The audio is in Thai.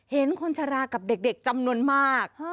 เห็นคนชะลากับเด็กจำนวนมาก